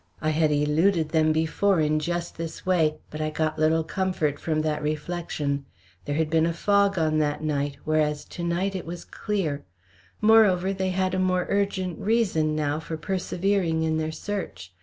I had eluded them before in just this way, but I got little comfort from that reflection. There had been a fog on that night, whereas to night it was clear. Moreover, they had a more urgent reason now for persevering in their search.